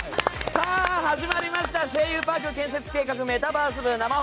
さあ始まりました「声優パーク建設企画メタバース部」。